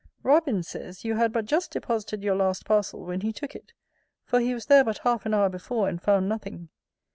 Robin says, you had but just deposited your last parcel when he took it: for he was there but half an hour before, and found nothing.